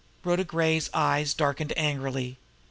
Rhoda Gray's eyes darkened angrily.